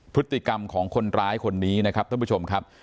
พฤติกรรมของคนร้ายคนนี้นะครับท่านผู้ชมครับ